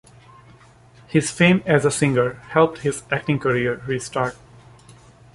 His fame as a singer helped his acting career restart.